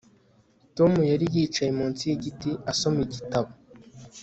Tom yari yicaye munsi yigiti asoma igitabo